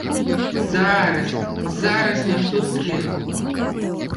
Зараз, зараз нясу стрэльбу.